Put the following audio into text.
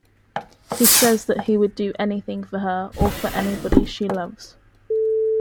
He says that he would do anything for her or for anybody she loves.